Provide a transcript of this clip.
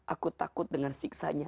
aku takut dengan siksanya